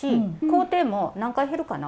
工程も何回減るかな？